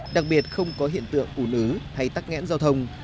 đặc biệt không có hiện tượng ủ nứ hay tắc nghẽn giao thông